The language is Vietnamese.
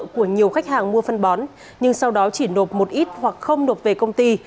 của nhiều khách hàng mua phân bón nhưng sau đó chỉ nộp một ít hoặc không nộp về công ty